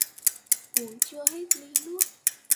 Uống chưa hết ly nước